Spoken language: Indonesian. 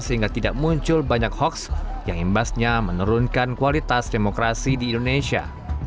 sehingga tidak muncul banyak hoax yang imbasnya menurunkan kualitas demokrasi di indonesia